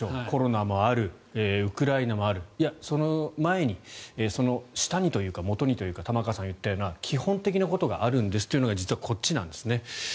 コロナもある、ウクライナもあるその前に、その下にというかもとにというか玉川さんが言ったような基本的なことがあるんだというのが実はこっちなんですね。